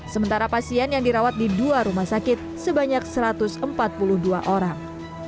sementara pasien yang dirawat di dua rumah sakit sebanyak satu ratus empat puluh dua orang